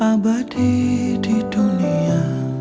abadi di dunia